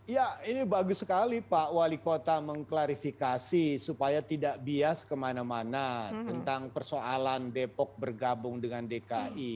ya ini bagus sekali pak wali kota mengklarifikasi supaya tidak bias kemana mana tentang persoalan depok bergabung dengan dki